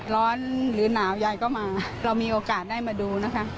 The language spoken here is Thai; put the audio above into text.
หรือหนาวใหญ่ก็มาเรามีโอกาสได้มาดูนะคะ